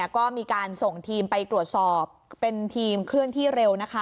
ก็มีการส่งทีมไปตรวจสอบเป็นทีมเคลื่อนที่เร็ว